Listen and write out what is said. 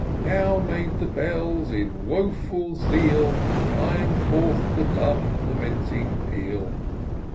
Now made the bells, in woful zeal. Chime forth the dumb, lamenting peal.